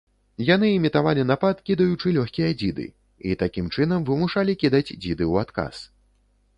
Яны імітавалі напад, кідаючы лёгкія дзіды, і такім чынам вымушалі кідаць дзіды ў адказ.